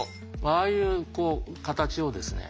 ああいう形をですね